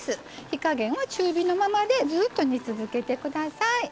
火加減は中火のままでずっと煮続けてください。